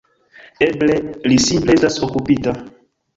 Eble li simple estas okupita.